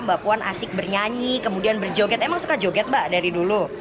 mbak puan asik bernyanyi kemudian berjoget emang suka joget mbak dari dulu